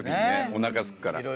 おなかすくから。